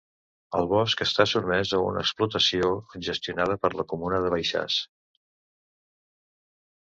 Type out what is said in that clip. El bosc està sotmès a una explotació gestionada per la comuna de Baixàs.